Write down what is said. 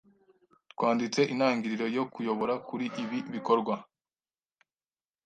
Twanditse intangiriro yo kuyobora kuri ibi Ibikorwa